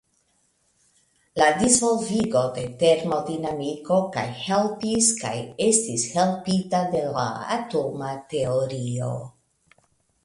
La disvolvigo de termodinamiko kaj helpis kaj estis helpita de la atoma teorio.